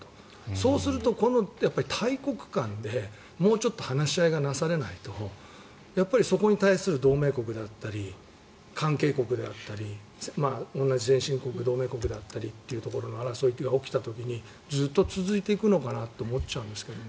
そうするとこの大国間でもうちょっと話し合いがなされないとやっぱりそこに対する同盟国だったり関係国であったり同じ先進国、同盟国であったりというところの争いが起きた時にずっと続いていくのかなって思っちゃうんですけどね。